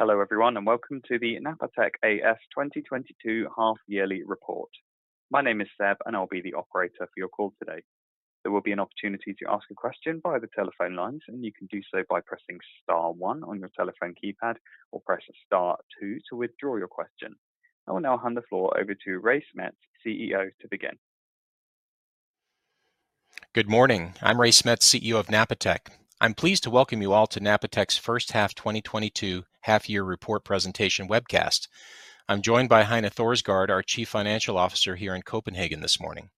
Hello everyone, and welcome to the Napatech A/S 2022 half-yearly report. My name is Seb, and I'll be the operator for your call today. There will be an opportunity to ask a question via the telephone lines, and you can do so by pressing star one on your telephone keypad, or press star two to withdraw your question. I will now hand the floor over to Raymond Smets, CEO, to begin. Good morning. I'm Ray Smets, CEO of Napatech. I'm pleased to welcome you all to Napatech's first half 2022 half year report presentation webcast. I'm joined by Heine Thorsgaard, our Chief Financial Officer here in Copenhagen this morning.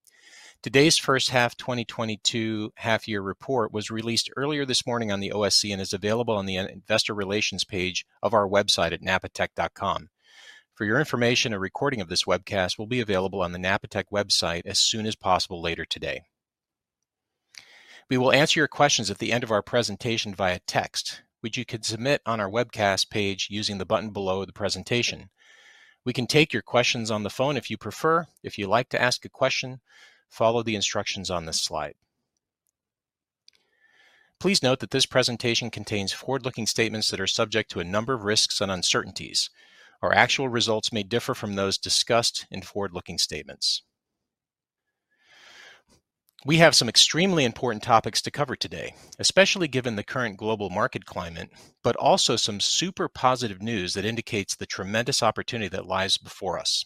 Today's first half 2022 half year report was released earlier this morning on the OSE and is available on the investor relations page of our website at napatech.com. For your information, a recording of this webcast will be available on the Napatech website as soon as possible later today. We will answer your questions at the end of our presentation via text, which you can submit on our webcast page using the button below the presentation. We can take your questions on the phone if you prefer. If you'd like to ask a question, follow the instructions on this slide. Please note that this presentation contains forward-looking statements that are subject to a number of risks and uncertainties. Our actual results may differ from those discussed in forward-looking statements. We have some extremely important topics to cover today, especially given the current global market climate, but also some super positive news that indicates the tremendous opportunity that lies before us.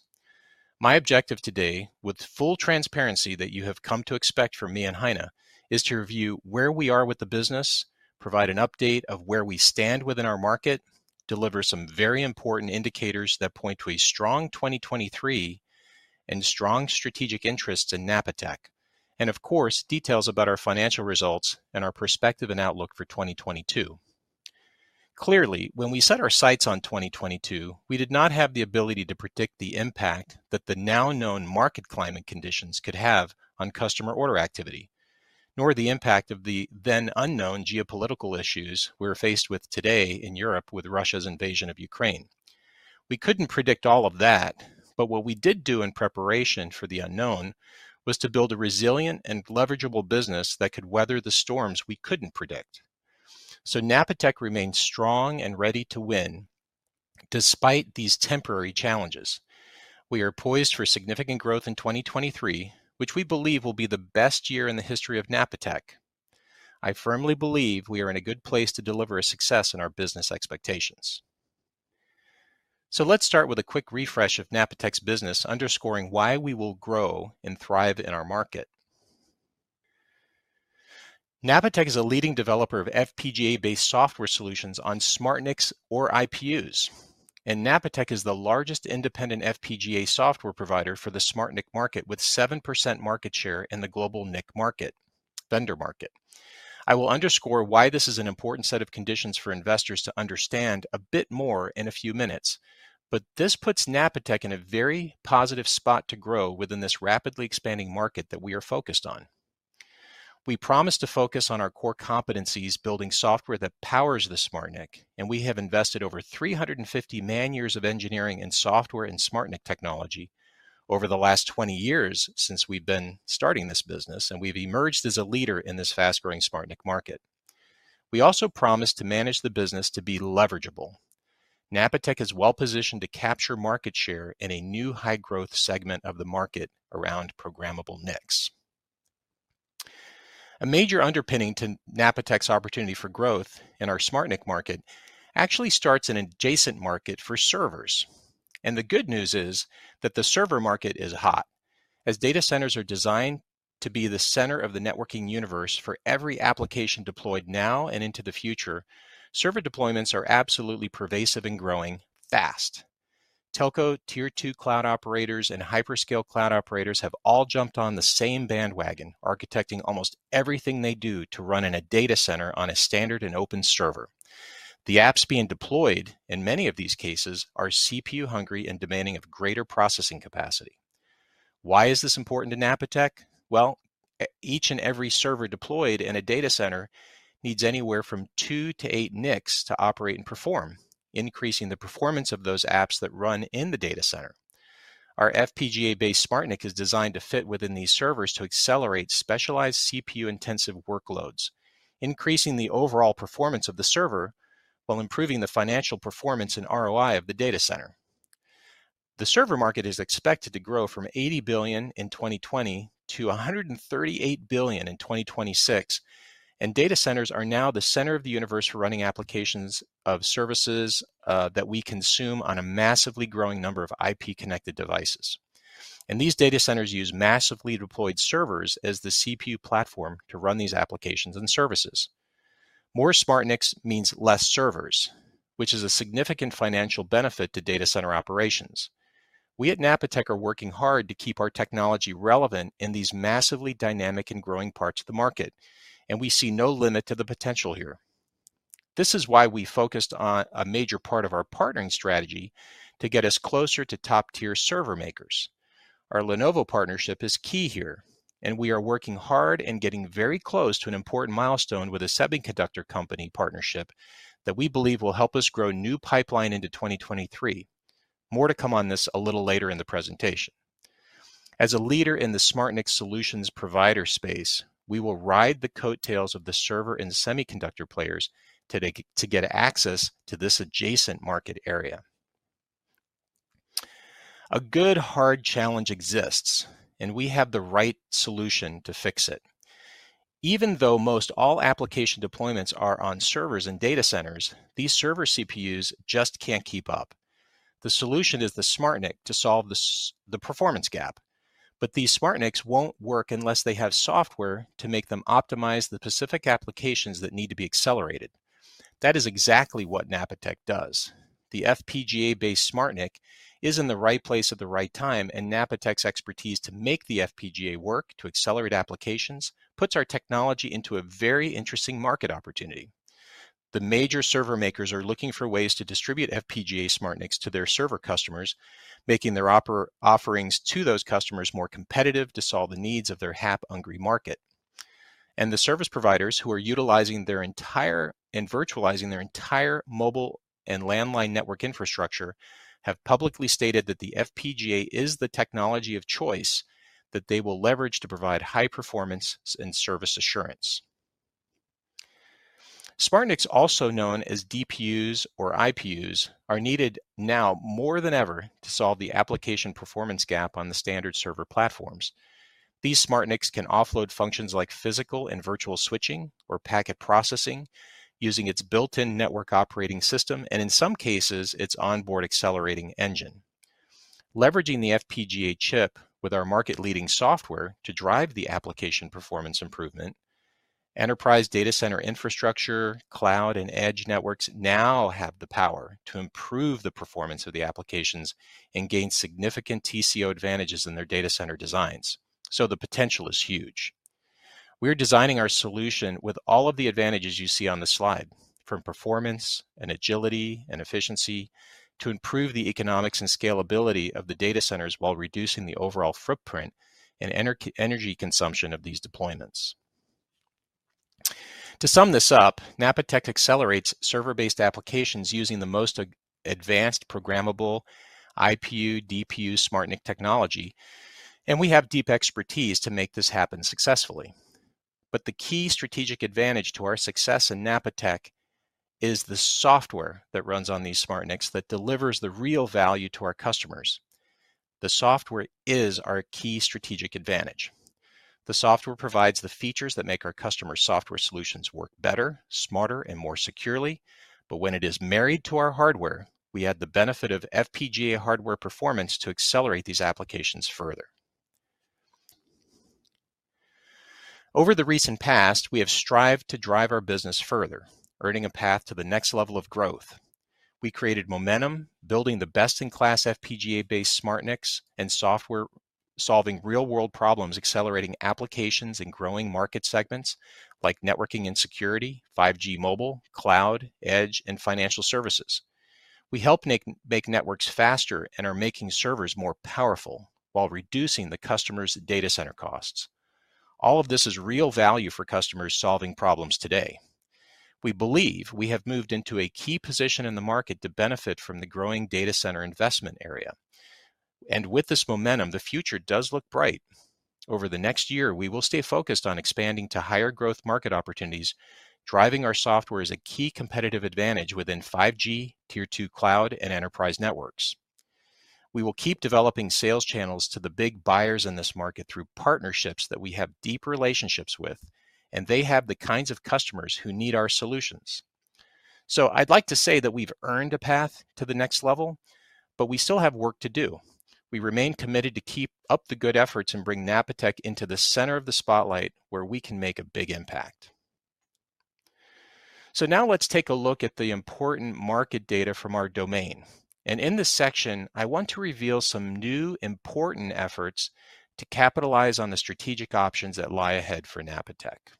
My objective today, with full transparency that you have come to expect from me and Heine, is to review where we are with the business, provide an update of where we stand within our market, deliver some very important indicators that point to a strong 2023 and strong strategic interests in Napatech, and of course, details about our financial results and our perspective and outlook for 2022. Clearly, when we set our sights on 2022, we did not have the ability to predict the impact that the now-known market climate conditions could have on customer order activity, nor the impact of the then unknown geopolitical issues we're faced with today in Europe with Russia's invasion of Ukraine. We couldn't predict all of that, but what we did do in preparation for the unknown was to build a resilient and leverageable business that could weather the storms we couldn't predict. Napatech remains strong and ready to win despite these temporary challenges. We are poised for significant growth in 2023, which we believe will be the best year in the history of Napatech. I firmly believe we are in a good place to deliver a success in our business expectations. Let's start with a quick refresh of Napatech's business underscoring why we will grow and thrive in our market. Napatech is a leading developer of FPGA-based software solutions on SmartNICs or IPUs, and Napatech is the largest independent FPGA software provider for the SmartNIC market with 7% market share in the global NIC market, vendor market. I will underscore why this is an important set of conditions for investors to understand a bit more in a few minutes, but this puts Napatech in a very positive spot to grow within this rapidly expanding market that we are focused on. We promise to focus on our core competencies building software that powers the SmartNIC, and we have invested over 350 man years of engineering in software and SmartNIC technology over the last 20 years since we've been starting this business, and we've emerged as a leader in this fast-growing SmartNIC market. We also promise to manage the business to be leverageable. Napatech is well-positioned to capture market share in a new high-growth segment of the market around programmable NICs. A major underpinning to Napatech's opportunity for growth in our SmartNIC market actually starts in an adjacent market for servers. The good news is that the server market is hot. As data centers are designed to be the center of the networking universe for every application deployed now and into the future, server deployments are absolutely pervasive and growing fast. Telco, tier two cloud operators, and hyperscale cloud operators have all jumped on the same bandwagon, architecting almost everything they do to run in a data center on a standard and open server. The apps being deployed in many of these cases are CPU-hungry and demanding of greater processing capacity. Why is this important to Napatech? Well, each and every server deployed in a data center needs anywhere from two to eight NICs to operate and perform, increasing the performance of those apps that run in the data center. Our FPGA-based SmartNIC is designed to fit within these servers to accelerate specialized CPU-intensive workloads, increasing the overall performance of the server while improving the financial performance and ROI of the data center. The server market is expected to grow from $80 billion in 2020 to $138 billion in 2026, and data centers are now the center of the universe for running applications or services that we consume on a massively growing number of IP-connected devices. These data centers use massively deployed servers as the CPU platform to run these applications and services. More SmartNICs means less servers, which is a significant financial benefit to data center operations. We at Napatech are working hard to keep our technology relevant in these massively dynamic and growing parts of the market, and we see no limit to the potential here. This is why we focused on a major part of our partnering strategy to get us closer to top-tier server makers. Our Lenovo partnership is key here, and we are working hard and getting very close to an important milestone with a semiconductor company partnership that we believe will help us grow new pipeline into 2023. More to come on this a little later in the presentation. As a leader in the SmartNIC solutions provider space, we will ride the coattails of the server and semiconductor players to get access to this adjacent market area. A good, hard challenge exists, and we have the right solution to fix it. Even though most all application deployments are on servers and data centers, these server CPUs just can't keep up. The solution is the SmartNIC to solve the performance gap. But these SmartNICs won't work unless they have software to make them optimize the specific applications that need to be accelerated. That is exactly what Napatech does. The FPGA-based SmartNIC is in the right place at the right time, and Napatech's expertise to make the FPGA work to accelerate applications puts our technology into a very interesting market opportunity. The major server makers are looking for ways to distribute FPGA SmartNICs to their server customers, making their offerings to those customers more competitive to solve the needs of their app-hungry market. The service providers who are utilizing and virtualizing their entire mobile and landline network infrastructure have publicly stated that the FPGA is the technology of choice that they will leverage to provide high performance and service assurance. SmartNICs, also known as DPUs or IPUs, are needed now more than ever to solve the application performance gap on the standard server platforms. These SmartNICs can offload functions like physical and virtual switching or packet processing using its built-in network operating system, and in some cases, its onboard accelerating engine. Leveraging the FPGA chip with our market-leading software to drive the application performance improvement, enterprise data center infrastructure, cloud, and edge networks now have the power to improve the performance of the applications and gain significant TCO advantages in their data center designs. The potential is huge. We are designing our solution with all of the advantages you see on the slide, from performance and agility and efficiency to improve the economics and scalability of the data centers while reducing the overall footprint and energy consumption of these deployments. To sum this up, Napatech accelerates server-based applications using the most advanced programmable IPU, DPU, SmartNIC technology, and we have deep expertise to make this happen successfully. The key strategic advantage to our success in Napatech is the software that runs on these SmartNICs that delivers the real value to our customers. The software is our key strategic advantage. The software provides the features that make our customers' software solutions work better, smarter, and more securely. When it is married to our hardware, we add the benefit of FPGA hardware performance to accelerate these applications further. Over the recent past, we have strived to drive our business further, earning a path to the next level of growth. We created momentum, building the best-in-class FPGA-based SmartNICs and software, solving real-world problems, accelerating applications in growing market segments like networking and security, 5G mobile, cloud, edge, and financial services. We help make networks faster and are making servers more powerful while reducing the customer's data center costs. All of this is real value for customers solving problems today. We believe we have moved into a key position in the market to benefit from the growing data center investment area. With this momentum, the future does look bright. Over the next year, we will stay focused on expanding to higher growth market opportunities, driving our software as a key competitive advantage within 5G, tier two cloud, and enterprise networks. We will keep developing sales channels to the big buyers in this market through partnerships that we have deep relationships with, and they have the kinds of customers who need our solutions. I'd like to say that we've earned a path to the next level, but we still have work to do. We remain committed to keep up the good efforts and bring Napatech into the center of the spotlight where we can make a big impact. Now let's take a look at the important market data from our domain. In this section, I want to reveal some new important efforts to capitalize on the strategic options that lie ahead for Napatech.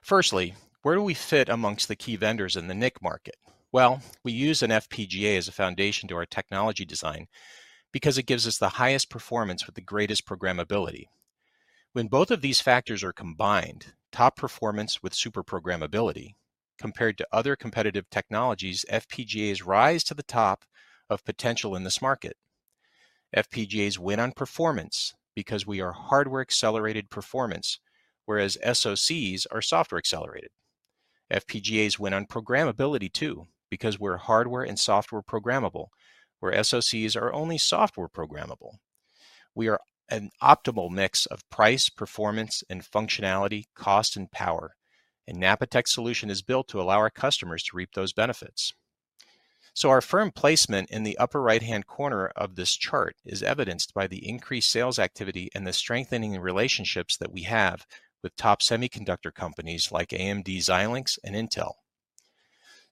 Firstly, where do we fit amongst the key vendors in the NIC market? Well, we use an FPGA as a foundation to our technology design because it gives us the highest performance with the greatest programmability. When both of these factors are combined, top performance with super programmability, compared to other competitive technologies, FPGAs rise to the top of potential in this market. FPGAs win on performance because we are hardware-accelerated performance, whereas SoCs are software-accelerated. FPGAs win on programmability too because we're hardware and software programmable, where SoCs are only software programmable. We are an optimal mix of price, performance, and functionality, cost, and power, and Napatech's solution is built to allow our customers to reap those benefits. Our firm placement in the upper right-hand corner of this chart is evidenced by the increased sales activity and the strengthening relationships that we have with top semiconductor companies like AMD, Xilinx, and Intel.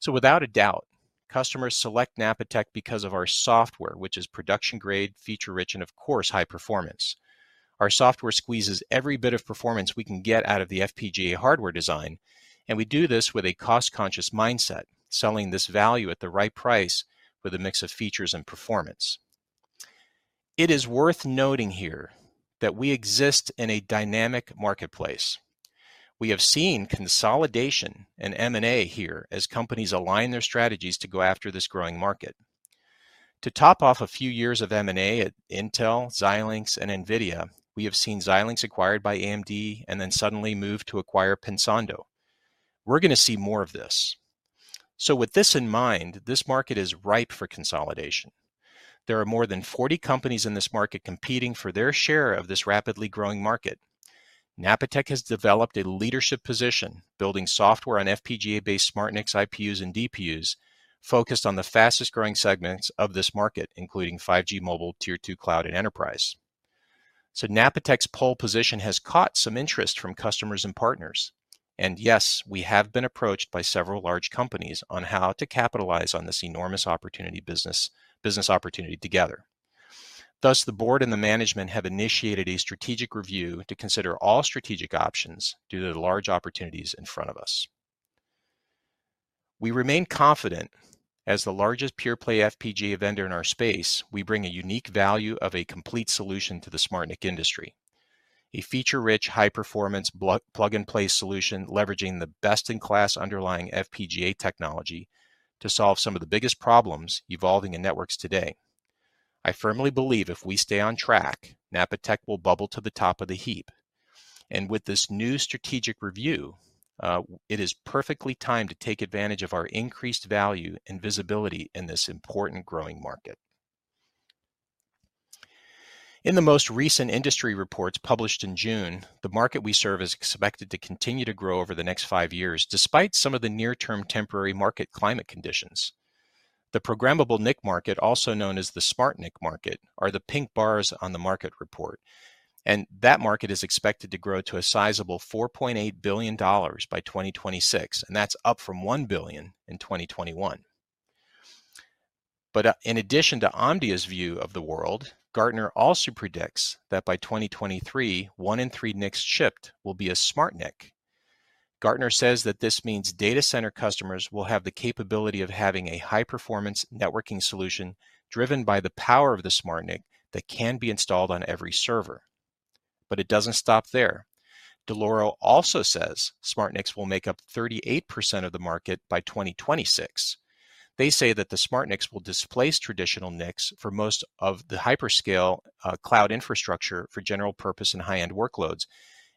Without a doubt, customers select Napatech because of our software, which is production-grade, feature-rich, and of course, high performance. Our software squeezes every bit of performance we can get out of the FPGA hardware design, and we do this with a cost-conscious mindset, selling this value at the right price with a mix of features and performance. It is worth noting here that we exist in a dynamic marketplace. We have seen consolidation and M&A here as companies align their strategies to go after this growing market. To top off a few years of M&A at Intel, Xilinx, and NVIDIA, we have seen Xilinx acquired by AMD and then suddenly move to acquire Pensando. We're gonna see more of this. With this in mind, this market is ripe for consolidation. There are more than 40 companies in this market competing for their share of this rapidly growing market. Napatech has developed a leadership position building software on FPGA-based SmartNIC IPUs and DPUs focused on the fastest-growing segments of this market, including 5G mobile, Tier 2 cloud, and enterprise. Napatech's pole position has caught some interest from customers and partners, and yes, we have been approached by several large companies on how to capitalize on this enormous business opportunity together. Thus, the board and the management have initiated a strategic review to consider all strategic options due to the large opportunities in front of us. We remain confident as the largest pure-play FPGA vendor in our space. We bring a unique value of a complete solution to the SmartNIC industry. A feature-rich, high-performance plug-and-play solution leveraging the best in class underlying FPGA technology to solve some of the biggest problems evolving in networks today. I firmly believe if we stay on track, Napatech will bubble to the top of the heap. With this new strategic review, it is perfectly timed to take advantage of our increased value and visibility in this important growing market. In the most recent industry reports published in June, the market we serve is expected to continue to grow over the next five years, despite some of the near-term temporary market climate conditions. The programmable NIC market, also known as the SmartNIC market, are the pink bars on the market report, and that market is expected to grow to a sizable $4.8 billion by 2026, and that's up from $1 billion in 2021. In addition to Omdia's view of the world, Gartner also predicts that by 2023, 1/3 NICs shipped will be a SmartNIC. Gartner says that this means data center customers will have the capability of having a high-performance networking solution driven by the power of the SmartNIC that can be installed on every server. It doesn't stop there. Dell'Oro also says SmartNICs will make up 38% of the market by 2026. They say that the SmartNICs will displace traditional NICs for most of the hyperscale cloud infrastructure for general purpose and high-end workloads,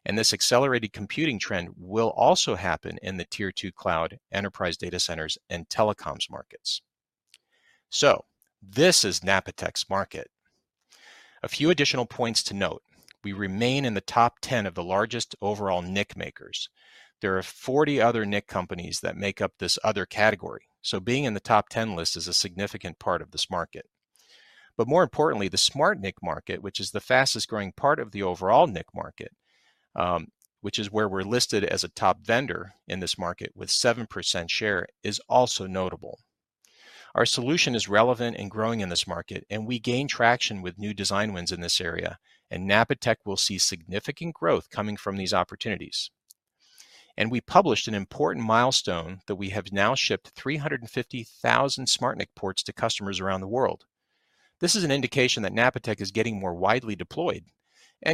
and this accelerated computing trend will also happen in the tier two cloud enterprise data centers and telecoms markets. This is Napatech's market. A few additional points to note. We remain in the top 10 of the largest overall NIC makers. There are 40 other NIC companies that make up this other category, so being in the top 10 list is a significant part of this market. More importantly, the SmartNIC market, which is the fastest-growing part of the overall NIC market, which is where we're listed as a top vendor in this market with 7% share, is also notable. Our solution is relevant and growing in this market, and we gain traction with new design wins in this area, and Napatech will see significant growth coming from these opportunities. We published an important milestone that we have now shipped 350,000 SmartNIC ports to customers around the world. This is an indication that Napatech is getting more widely deployed.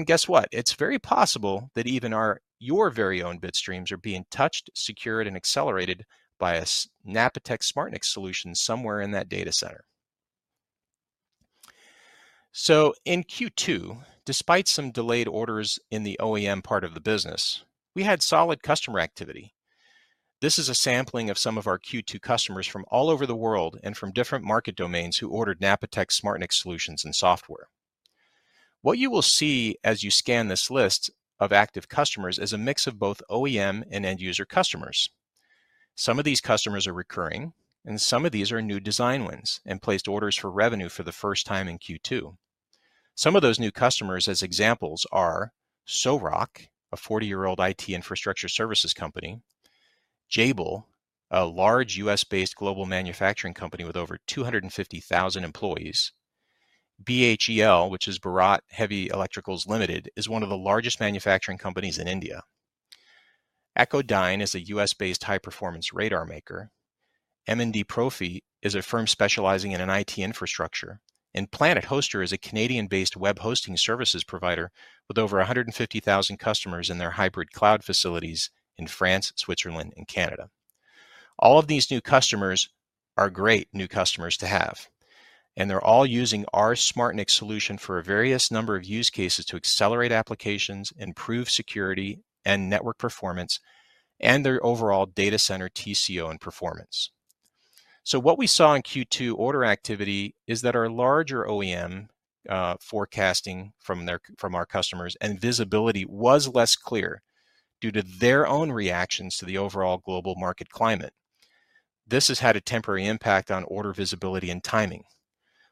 Guess what. It's very possible that even your very own bit streams are being touched, secured, and accelerated by a Napatech SmartNIC solution somewhere in that data center. In Q2, despite some delayed orders in the OEM part of the business, we had solid customer activity. This is a sampling of some of our Q2 customers from all over the world and from different market domains who ordered Napatech SmartNIC solutions and software. What you will see as you scan this list of active customers is a mix of both OEM and end user customers. Some of these customers are recurring, and some of these are new design wins and placed orders for revenue for the first time in Q2. Some of those new customers as examples are Soroc, a 40-year-old IT infrastructure services company, Jabil, a large U.S.-based global manufacturing company with over 250,000 employees, BHEL, which is Bharat Heavy Electricals Limited, is one of the largest manufacturing companies in India. Echodyne is a U.S.-based high-performance radar maker. MNDprofi is a firm specializing in an IT infrastructure. PlanetHoster is a Canadian-based web hosting services provider with over 150,000 customers in their hybrid cloud facilities in France, Switzerland, and Canada. All of these new customers are great new customers to have, and they're all using our SmartNIC solution for a variety of use cases to accelerate applications, improve security and network performance, and their overall data center TCO and performance. What we saw in Q2 order activity is that our larger OEM forecasting from our customers and visibility was less clear due to their own reactions to the overall global market climate. This has had a temporary impact on order visibility and timing.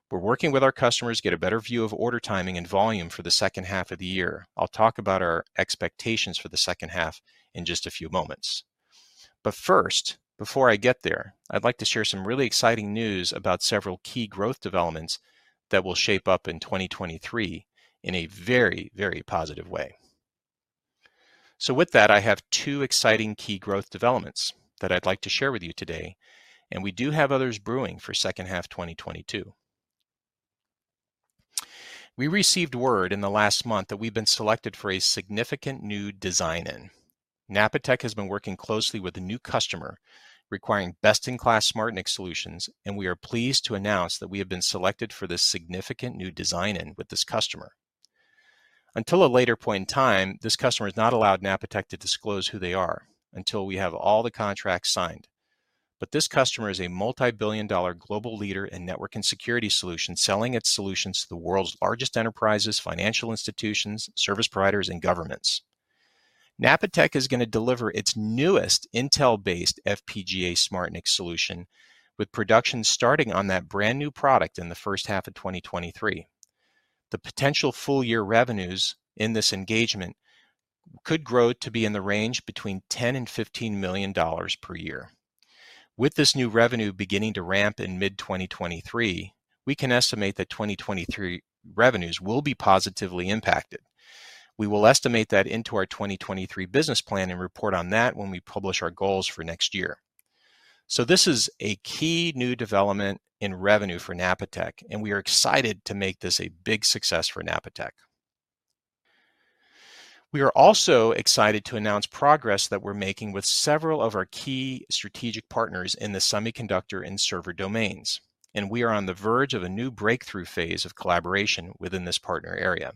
We're working with our customers to get a better view of order timing and volume for the second half of the year. I'll talk about our expectations for the second half in just a few moments. First, before I get there, I'd like to share some really exciting news about several key growth developments that will shape up in 2023 in a very, very positive way. With that, I have two exciting key growth developments that I'd like to share with you today, and we do have others brewing for second half 2022. We received word in the last month that we've been selected for a significant new design-in. Napatech has been working closely with a new customer requiring best-in-class SmartNIC solutions, and we are pleased to announce that we have been selected for this significant new design-in with this customer. Until a later point in time, this customer has not allowed Napatech to disclose who they are until we have all the contracts signed. This customer is a multi-billion-dollar global leader in network and security solutions, selling its solutions to the world's largest enterprises, financial institutions, service providers, and governments. Napatech is gonna deliver its newest Intel-based FPGA SmartNIC solution with production starting on that brand-new product in the first half of 2023. The potential full year revenues in this engagement could grow to be in the range between $10 million and $15 million per year. With this new revenue beginning to ramp in mid-2023, we can estimate that 2023 revenues will be positively impacted. We will estimate that into our 2023 business plan and report on that when we publish our goals for next year. This is a key new development in revenue for Napatech, and we are excited to make this a big success for Napatech. We are also excited to announce progress that we're making with several of our key strategic partners in the semiconductor and server domains, and we are on the verge of a new breakthrough phase of collaboration within this partner area.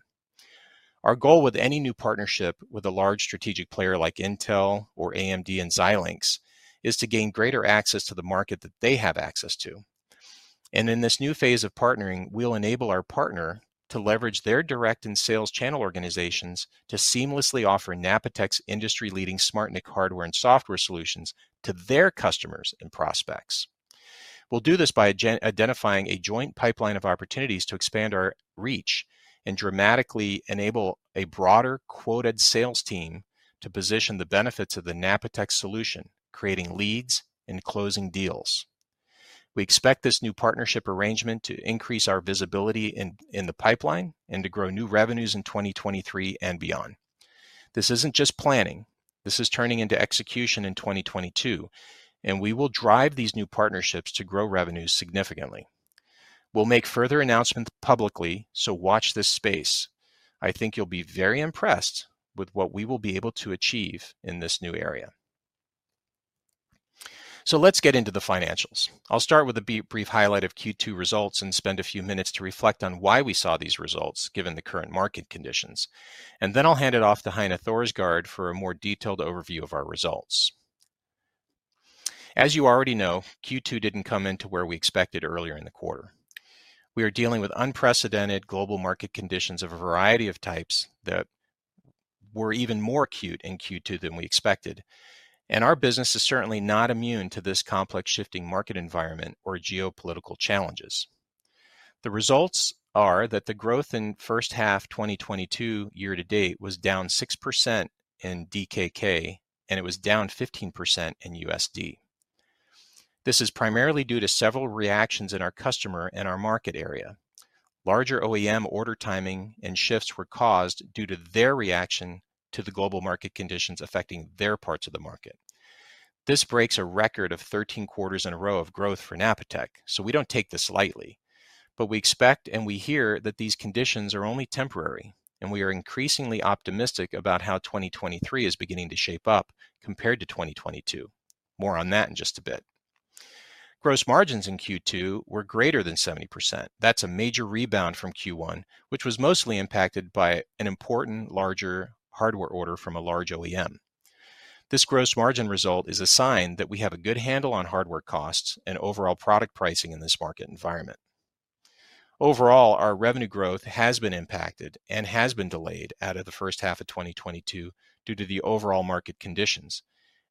Our goal with any new partnership with a large strategic player like Intel or AMD and Xilinx is to gain greater access to the market that they have access to. In this new phase of partnering, we'll enable our partner to leverage their direct and sales channel organizations to seamlessly offer Napatech's industry-leading SmartNIC hardware and software solutions to their customers and prospects. We'll do this by identifying a joint pipeline of opportunities to expand our reach and dramatically enable a broader quoted sales team to position the benefits of the Napatech solution, creating leads and closing deals. We expect this new partnership arrangement to increase our visibility in the pipeline and to grow new revenues in 2023 and beyond. This isn't just planning, this is turning into execution in 2022, and we will drive these new partnerships to grow revenues significantly. We'll make further announcements publicly, so watch this space. I think you'll be very impressed with what we will be able to achieve in this new area. Let's get into the financials. I'll start with a brief highlight of Q2 results and spend a few minutes to reflect on why we saw these results, given the current market conditions. Then I'll hand it off to Heine Thorsgaard for a more detailed overview of our results. As you already know, Q2 didn't come in where we expected earlier in the quarter. We are dealing with unprecedented global market conditions of a variety of types that were even more acute in Q2 than we expected, and our business is certainly not immune to this complex shifting market environment or geopolitical challenges. The results are that the growth in first half 2022 year to date was down 6% in DKK, and it was down 15% in USD. This is primarily due to several reactions in our customer and our market area. Larger OEM order timing and shifts were caused due to their reaction to the global market conditions affecting their parts of the market. This breaks a record of 13 quarters in a row of growth for Napatech, so we don't take this lightly. We expect and we hear that these conditions are only temporary, and we are increasingly optimistic about how 2023 is beginning to shape up compared to 2022. More on that in just a bit. Gross margins in Q2 were greater than 70%. That's a major rebound from Q1, which was mostly impacted by an important larger hardware order from a large OEM. This gross margin result is a sign that we have a good handle on hardware costs and overall product pricing in this market environment. Overall, our revenue growth has been impacted and has been delayed out of the first half of 2022 due to the overall market conditions,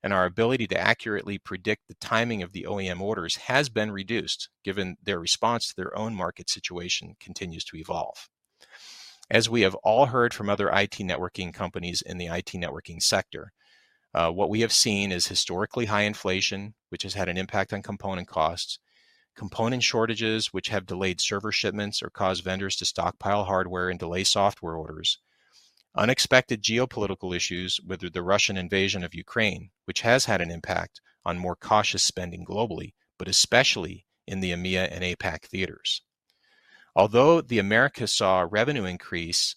and our ability to accurately predict the timing of the OEM orders has been reduced given their response to their own market situation continues to evolve. As we have all heard from other IT networking companies in the IT networking sector, what we have seen is historically high inflation, which has had an impact on component costs, component shortages which have delayed server shipments or caused vendors to stockpile hardware and delay software orders. Unexpected geopolitical issues with the Russian invasion of Ukraine, which has had an impact on more cautious spending globally, but especially in the EMEA and APAC theaters. Although the Americas saw a revenue increase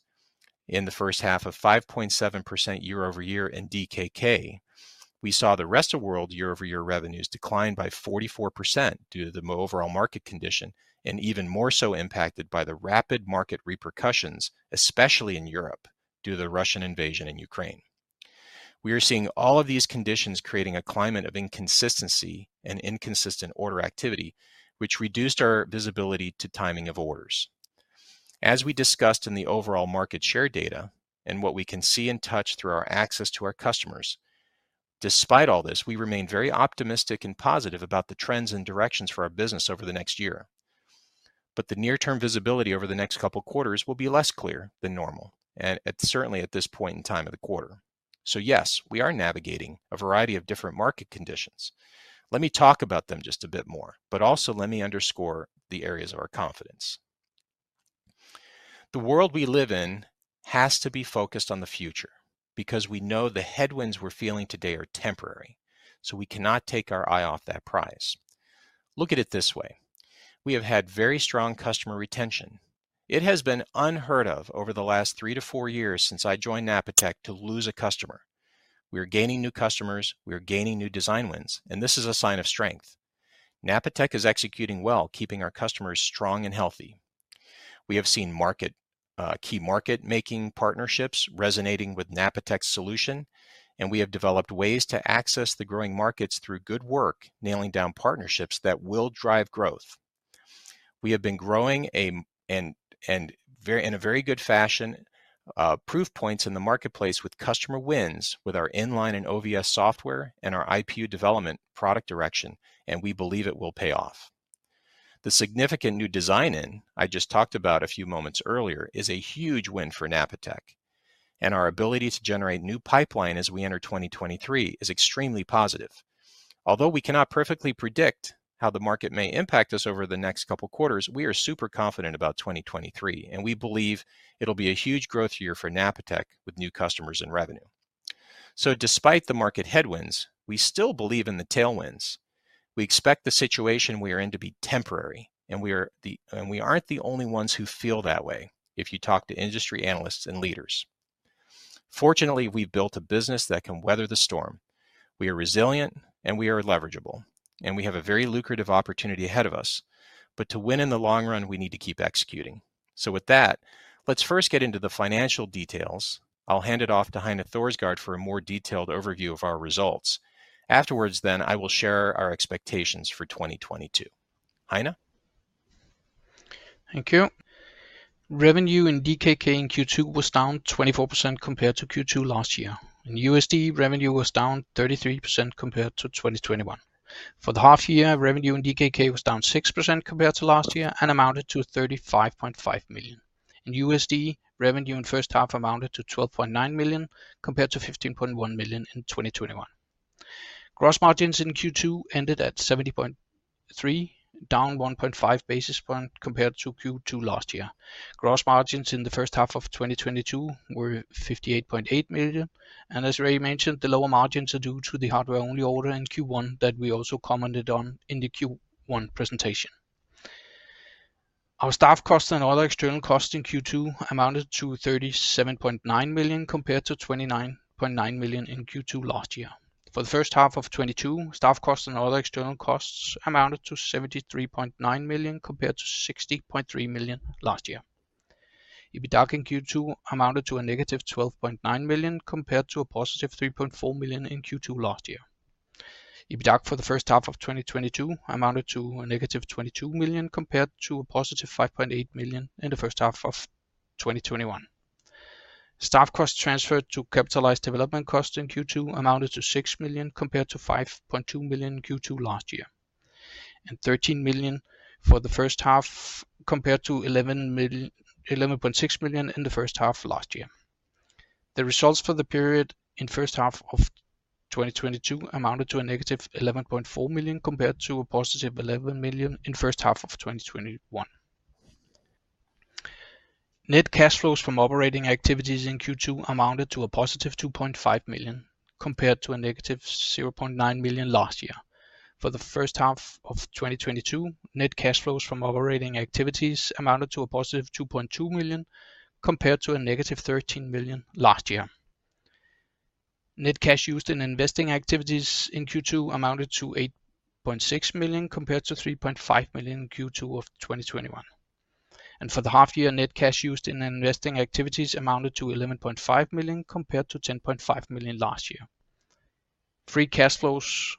in the first half of 5.7% year-over-year in DKK, we saw the rest of world year-over-year revenues decline by 44% due to the overall market condition, and even more so impacted by the rapid market repercussions, especially in Europe, due to the Russian invasion in Ukraine. We are seeing all of these conditions creating a climate of inconsistency and inconsistent order activity, which reduced our visibility to timing of orders. As we discussed in the overall market share data and what we can see and touch through our access to our customers, despite all this, we remain very optimistic and positive about the trends and directions for our business over the next year. The near-term visibility over the next couple quarters will be less clear than normal, and certainly at this point in time of the quarter. Yes, we are navigating a variety of different market conditions. Let me talk about them just a bit more, but also let me underscore the areas of our confidence. The world we live in has to be focused on the future because we know the headwinds we're feeling today are temporary, so we cannot take our eye off that prize. Look at it this way. We have had very strong customer retention. It has been unheard of over the last three to four years since I joined Napatech to lose a customer. We are gaining new customers, we are gaining new design wins, and this is a sign of strength. Napatech is executing well, keeping our customers strong and healthy. We have seen market, key market-making partnerships resonating with Napatech solution, and we have developed ways to access the growing markets through good work, nailing down partnerships that will drive growth. We have been growing and in a very good fashion, proof points in the marketplace with customer wins with our inline and OVS software and our IPU development product direction, and we believe it will pay off. The significant new design win I just talked about a few moments earlier is a huge win for Napatech, and our ability to generate new pipeline as we enter 2023 is extremely positive. Although we cannot perfectly predict how the market may impact us over the next couple quarters, we are super confident about 2023, and we believe it'll be a huge growth year for Napatech with new customers and revenue. Despite the market headwinds, we still believe in the tailwinds. We expect the situation we are in to be temporary, and we aren't the only ones who feel that way if you talk to industry analysts and leaders. Fortunately, we've built a business that can weather the storm. We are resilient, and we are leverageable, and we have a very lucrative opportunity ahead of us. To win in the long run, we need to keep executing. With that, let's first get into the financial details. I'll hand it off to Heine Thorsgaard for a more detailed overview of our results. Afterwards, I will share our expectations for 2022. Heine. Thank you. Revenue in DKK in Q2 was down 24% compared to Q2 last year. In USD, revenue was down 33% compared to 2021. For the half year, revenue in DKK was down 6% compared to last year and amounted to 35.5 million. In USD, revenue in first half amounted to $12.9 million compared to $15.1 million in 2021. Gross margins in Q2 ended at 70.3%, down 1.5 basis points compared to Q2 last year. Gross margins in the first half of 2022 were 58.8%. As Ray mentioned, the lower margins are due to the hardware-only order in Q1 that we also commented on in the Q1 presentation. Our staff costs and other external costs in Q2 amounted to 37.9 million compared to 29.9 million in Q2 last year. For the first half of 2022, staff costs and other external costs amounted to 73.9 million compared to 60.3 million last year. EBITDA in Q2 amounted to a -12.9 million compared to a +3.4 million in Q2 last year. EBITDA for the first half of 2022 amounted to a DKK- 22 million compared to a +5.8 million in the first half of 2021. Staff costs transferred to capitalized development costs in Q2 amounted to 6 million compared to 5.2 million in Q2 last year, and 13 million for the first half compared to 11.6 million in the first half last year. The results for the period in first half of 2022 amounted to a negative 11.4 million compared to a positive 11 million in first half of 2021. Net cash flows from operating activities in Q2 amounted to a +2.5 million compared to a -0.9 million last year. For the first half of 2022, net cash flows from operating activities amounted to a +2.2 million compared to a -13 million last year. Net cash used in investing activities in Q2 amounted to 8.6 million compared to 3.5 million in Q2 of 2021. For the half year, net cash used in investing activities amounted to 11.5 million compared to 10.5 million last year. Free cash flows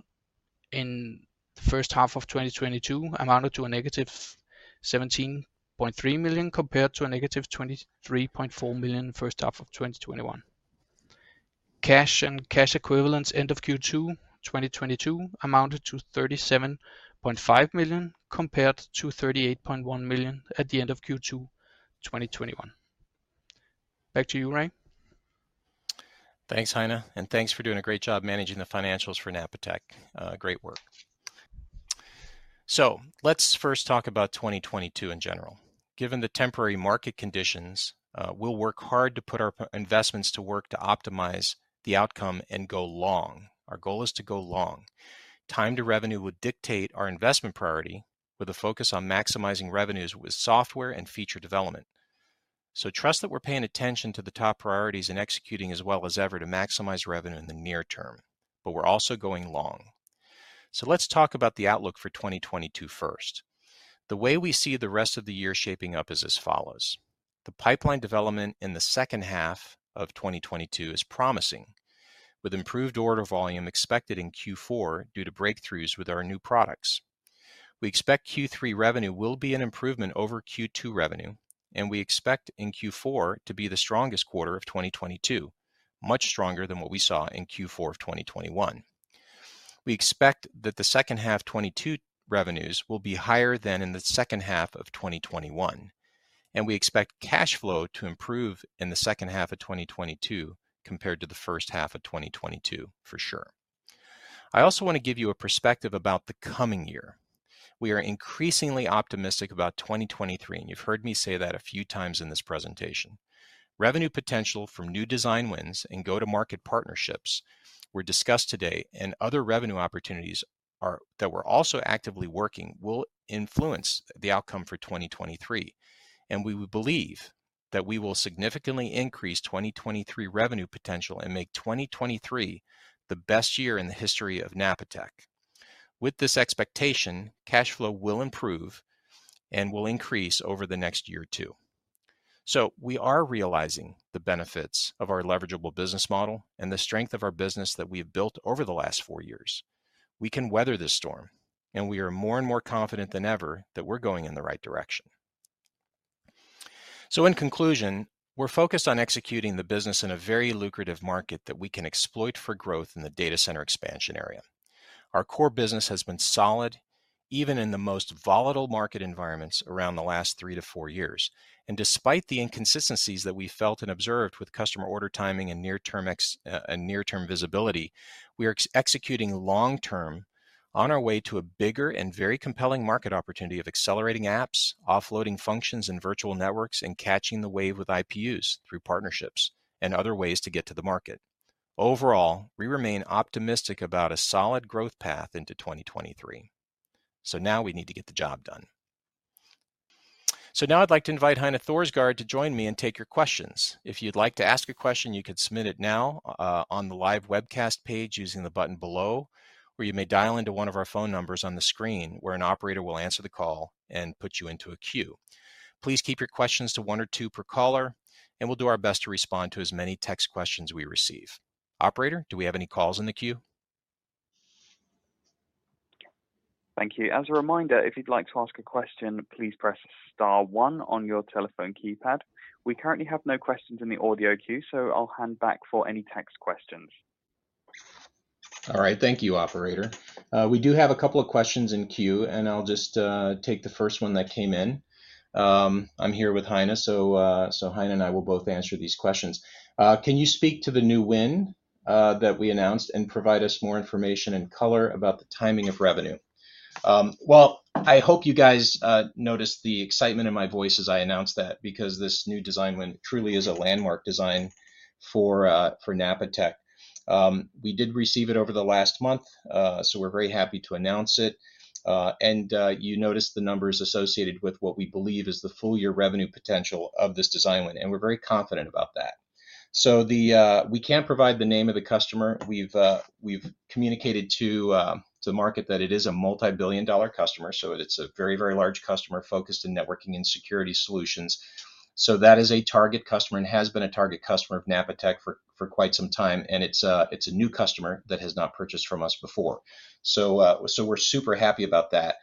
in the first half of 2022 amounted to a -17.3 million compared to a -23.4 million first half of 2021. Cash and cash equivalents end of Q2 2022 amounted to 37.5 million compared to 38.1 million at the end of Q2 2021. Back to you, Ray. Thanks, Heine. Thanks for doing a great job managing the financials for Napatech. Great work. Let's first talk about 2022 in general. Given the temporary market conditions, we'll work hard to put our investments to work to optimize the outcome and go long. Our goal is to go long. Time to revenue will dictate our investment priority with a focus on maximizing revenues with software and feature development. Trust that we're paying attention to the top priorities and executing as well as ever to maximize revenue in the near term. We're also going long. Let's talk about the outlook for 2022 first. The way we see the rest of the year shaping up is as follows. The pipeline development in the second half of 2022 is promising, with improved order volume expected in Q4 due to breakthroughs with our new products. We expect Q3 revenue will be an improvement over Q2 revenue, and we expect in Q4 to be the strongest quarter of 2022, much stronger than what we saw in Q4 of 2021. We expect that the second half 2022 revenues will be higher than in the second half of 2021, and we expect cash flow to improve in the second half of 2022 compared to the first half of 2022 for sure. I also want to give you a perspective about the coming year. We are increasingly optimistic about 2023, and you've heard me say that a few times in this presentation. Revenue potential from new design wins and go-to-market partnerships were discussed today, and other revenue opportunities that we're also actively working will influence the outcome for 2023. We believe that we will significantly increase 2023 revenue potential and make 2023 the best year in the history of Napatech. With this expectation, cash flow will improve and will increase over the next year, too. We are realizing the benefits of our leverageable business model and the strength of our business that we have built over the last four years. We can weather this storm, and we are more and more confident than ever that we're going in the right direction. In conclusion, we're focused on executing the business in a very lucrative market that we can exploit for growth in the data center expansion area. Our core business has been solid, even in the most volatile market environments around the last 3-4 years. Despite the inconsistencies that we felt and observed with customer order timing and near-term visibility, we are executing long term on our way to a bigger and very compelling market opportunity of accelerating apps, offloading functions and virtual networks, and catching the wave with IPUs through partnerships and other ways to get to the market. Overall, we remain optimistic about a solid growth path into 2023. We need to get the job done. I'd like to invite Heine Thorsgaard to join me and take your questions. If you'd like to ask a question, you could submit it now on the live webcast page using the button below, or you may dial into one of our phone numbers on the screen, where an operator will answer the call and put you into a queue. Please keep your questions to one or two per caller, and we'll do our best to respond to as many text questions we receive. Operator, do we have any calls in the queue? Thank you. As a reminder, if you'd like to ask a question, please press star one on your telephone keypad. We currently have no questions in the audio queue, so I'll hand back for any text questions. All right. Thank you, operator. We do have a couple of questions in queue, and I'll just take the first one that came in. I'm here with Heine, so Heine and I will both answer these questions. Can you speak to the new win that we announced and provide us more information and color about the timing of revenue? Well, I hope you guys noticed the excitement in my voice as I announced that because this new design win truly is a landmark design for Napatech. We did receive it over the last month, so we're very happy to announce it. You noticed the numbers associated with what we believe is the full-year revenue potential of this design win, and we're very confident about that. We can't provide the name of the customer. We've communicated to market that it is a multi-billion dollar customer, so it's a very, very large customer focused in networking and security solutions. That is a target customer and has been a target customer of Napatech for quite some time, and it's a new customer that has not purchased from us before. We're super happy about that.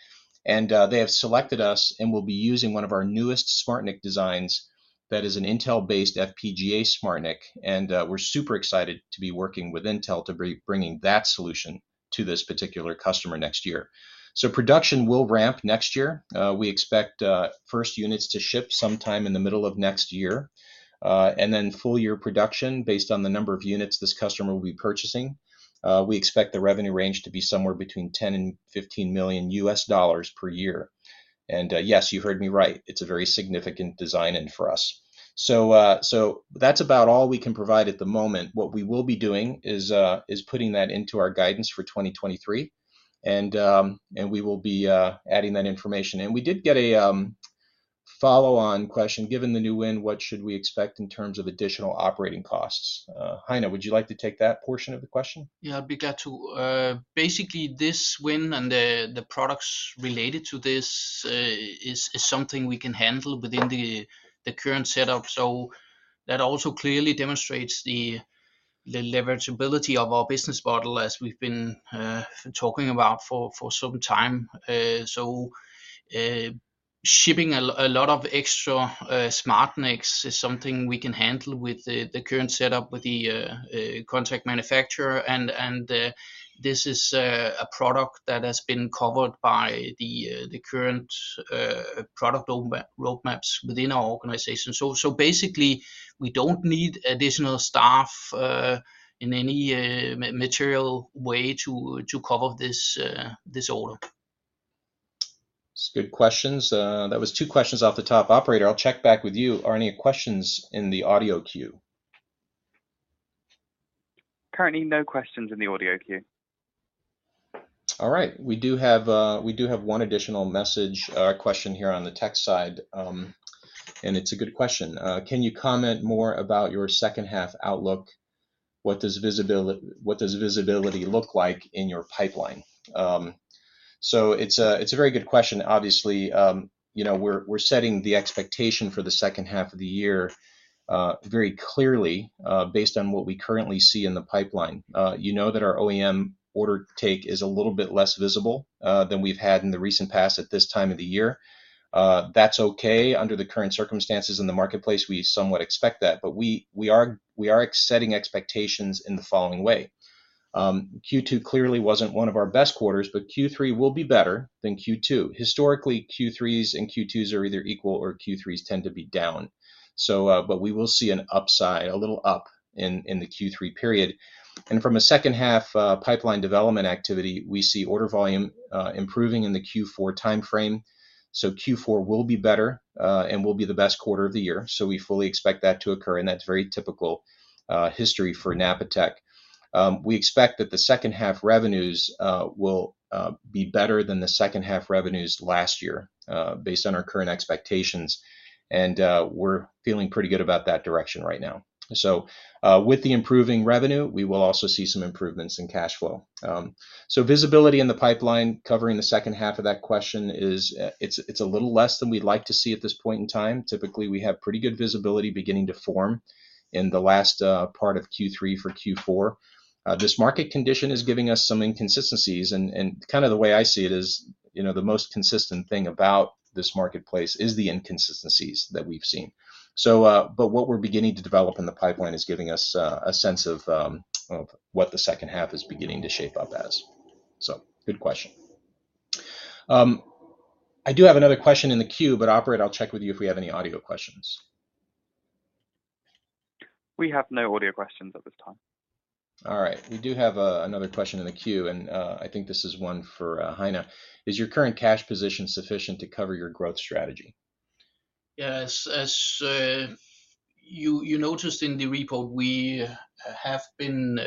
They have selected us and will be using one of our newest SmartNIC designs that is an Intel-based FPGA SmartNIC, and we're super excited to be working with Intel to be bringing that solution to this particular customer next year. Production will ramp next year. We expect first units to ship sometime in the middle of next year. Full-year production based on the number of units this customer will be purchasing, we expect the revenue range to be somewhere between $10 million and $15 million per year. Yes, you heard me right. It's a very significant design win for us. That's about all we can provide at the moment. What we will be doing is putting that into our guidance for 2023, and we will be adding that information. We did get a follow-on question. Given the new win, what should we expect in terms of additional operating costs? Heine, would you like to take that portion of the question? Yeah, I'd be glad to. Basically this win and the products related to this is something we can handle within the current setup. That also clearly demonstrates the leverageability of our business model as we've been talking about for some time. Shipping a lot of extra SmartNICs is something we can handle with the current setup with the contract manufacturer and this is a product that has been covered by the current product roadmaps within our organization. Basically we don't need additional staff in any material way to cover this order. It's good questions. That was two questions off the top. Operator, I'll check back with you. Are there any questions in the audio queue? Currently no questions in the audio queue. All right. We do have one additional message, question here on the tech side, and it's a good question. Can you comment more about your second half outlook? What does visibility look like in your pipeline? It's a very good question. Obviously, you know, we're setting the expectation for the second half of the year very clearly based on what we currently see in the pipeline. You know that our OEM order take is a little bit less visible than we've had in the recent past at this time of the year. That's okay. Under the current circumstances in the marketplace, we somewhat expect that. We are setting expectations in the following way. Q2 clearly wasn't one of our best quarters, but Q3 will be better than Q2. Historically, Q3s and Q2s are either equal, or Q3s tend to be down. We will see an upside, a little up in the Q3 period. From a second half pipeline development activity, we see order volume improving in the Q4 timeframe, Q4 will be better and will be the best quarter of the year, we fully expect that to occur, and that's very typical history for Napatech. We expect that the second half revenues will be better than the second half revenues last year, based on our current expectations and we're feeling pretty good about that direction right now. With the improving revenue, we will also see some improvements in cash flow. Visibility in the pipeline, covering the second half of that question, is a little less than we'd like to see at this point in time. Typically, we have pretty good visibility beginning to form in the last part of Q3 for Q4. This market condition is giving us some inconsistencies and kind of the way I see it is, you know, the most consistent thing about this marketplace is the inconsistencies that we've seen. But what we're beginning to develop in the pipeline is giving us a sense of what the second half is beginning to shape up as. Good question. I do have another question in the queue, but Operator, I'll check with you if we have any audio questions. We have no audio questions at this time. All right. We do have another question in the queue, and I think this is one for Heine. Is your current cash position sufficient to cover your growth strategy? Yes. As you noticed in the report, we have been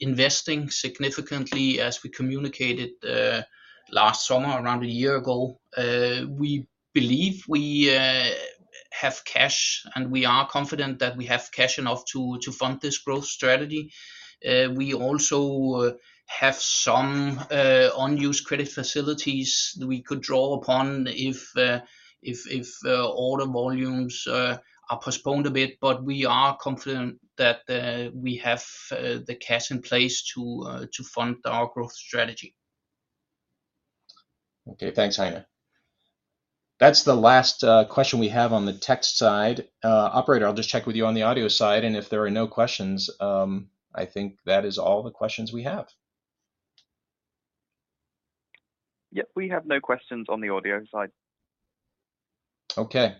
investing significantly as we communicated last summer, around a year ago. We believe we have cash, and we are confident that we have cash enough to fund this growth strategy. We also have some unused credit facilities that we could draw upon if order volumes are postponed a bit. We are confident that we have the cash in place to fund our growth strategy. Okay. Thanks, Heine. That's the last question we have on the text side. Operator, I'll just check with you on the audio side, and if there are no questions, I think that is all the questions we have. Yep. We have no questions on the audio side. Okay.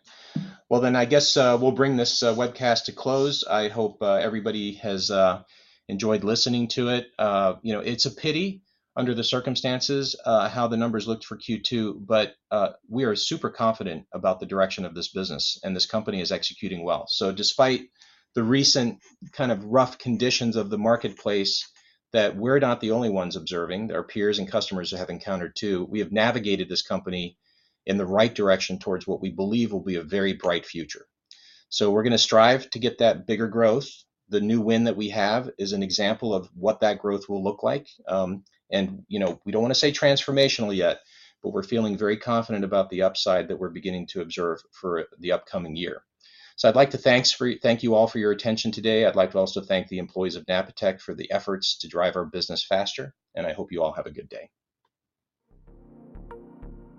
Well, then I guess we'll bring this webcast to close. I hope everybody has enjoyed listening to it. You know, it's a pity under the circumstances how the numbers looked for Q2, but we are super confident about the direction of this business and this company is executing well. Despite the recent kind of rough conditions of the marketplace that we're not the only ones observing, that our peers and customers have encountered too, we have navigated this company in the right direction towards what we believe will be a very bright future. We're gonna strive to get that bigger growth. The new win that we have is an example of what that growth will look like. You know, we don't wanna say transformational yet, but we're feelng very confident about the upside that we're beginning to observe for the upcoming year. I'd like to thank you all for your attention today. I'd like to also thank the employees of Napatech for the efforts to drive our business faster, and I hope you all have a good day.